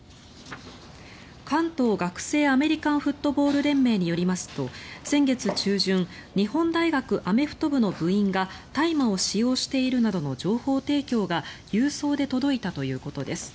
関東学生アメリカンフットボール連盟によりますと先月中旬日本大学アメフト部の部員が大麻を使用しているなどの情報提供が郵送で届いたということです。